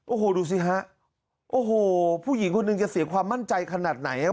โอ้โหดูสิฮะโอ้โหผู้หญิงคนหนึ่งจะเสียความมั่นใจขนาดไหนครับ